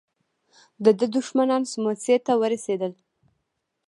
د ده دښمنان سموڅې ته ورسېدل.